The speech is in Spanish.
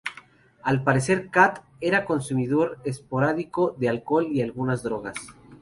Al parecer Kath era consumidor esporádico de alcohol y algunas drogas.